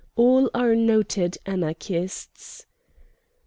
All are noted Anarchists.